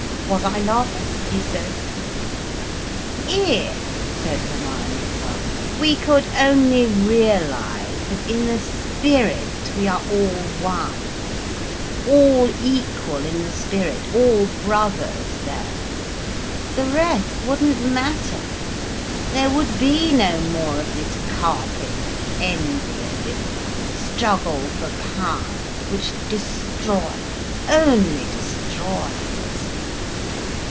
"Was I laughing?" he said. "If," said Hermione at last, "we could only realise, that in the spirit we are all one, all equal in the spirit, all brothers there—the rest wouldn't matter, there would be no more of this carping and envy and this struggle for power, which destroys, only destroys."